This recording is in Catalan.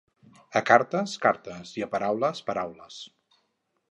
A cartes, cartes, i a paraules, paraules.